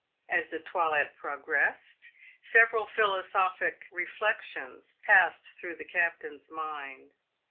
As the toilet progressed, several philosophic reflections passed through the captain's mind.